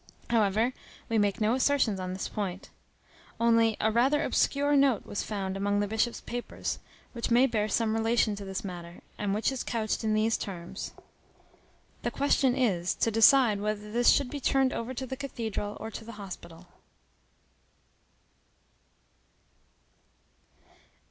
However, we make no assertions on this point. Only, a rather obscure note was found among the Bishop's papers, which may bear some relation to this matter, and which is couched in these terms, _"The question is, to decide whether this should be turned over to the cathedral or to the hospital."